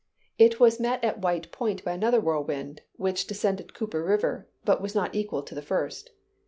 It was met at White Point by another whirlwind, which descended Cooper River, but was not equal to the first.